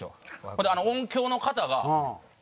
ほんで音響の方が。